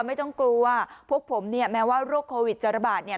ไม่ต้องกลัวพวกผมเนี่ยแม้ว่าโรคโควิดจะระบาดเนี่ย